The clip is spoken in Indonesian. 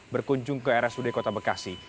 berkunjung ke rsud kota bekasi